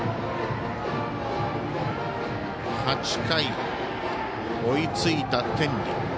８回、追いついた天理。